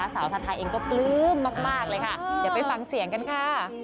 สาวทาทาเองก็ปลื้มมากเลยค่ะเดี๋ยวไปฟังเสียงกันค่ะ